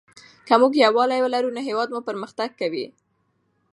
که موږ یووالي ولرو نو هېواد مو پرمختګ کوي.